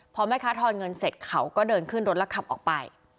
พอแม่ค้าทอนเงินเสร็จเขาก็เดินขึ้นรถแล้วขับออกไป